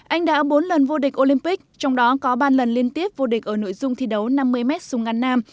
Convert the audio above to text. anh đã bốn lần vô địch olympic trong đó có ba lần liên tiếp vô địch ở nội dung thi đấu năm mươi m sung ngăn nam